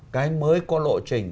cái mới có lộ trình